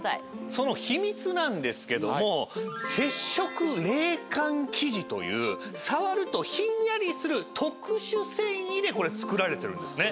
その秘密なんですけども接触冷感生地という触るとひんやりする特殊繊維で作られてるんですね。